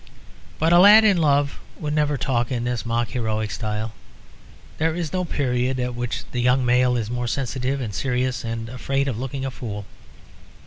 But a lad in love would never talk in this mock heroic style; there is no period at which the young male is more sensitive and serious and afraid of looking a fool.